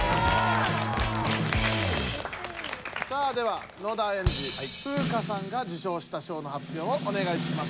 さあでは野田エンジフウカさんが受賞した賞の発表をおねがいします。